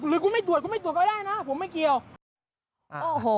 หรือว่าไม่ต่วนก็ได้นะผมไม่เกี่ยวกันน่ะ